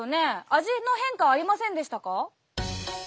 味の変化はありませんでしたか？